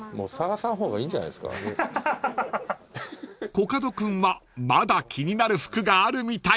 ［コカド君はまだ気になる服があるみたい］